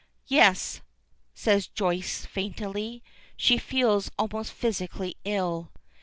"Yes," says Joyce faintly. She feels almost physically ill.